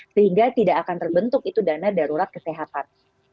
sehingga tidak akan terbentuk itu dana darurat kesehatan